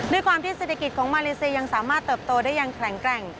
ด้วยความที่เศรษฐกิจของมาเลเซียยังสามารถเติบโตได้อย่างแข็งแกร่ง